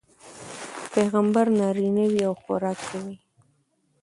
پيغمبر نارينه وي او خوراک کوي